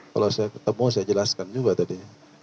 kalau saya ketemu saya jelaskan juga tadi